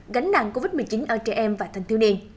một gánh nặng covid một mươi chín ở trẻ em và thanh thiếu nhiên